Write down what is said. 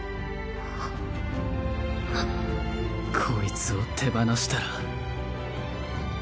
こいつを手放したら。